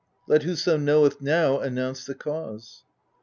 Let whoso knoweth now announce the cause.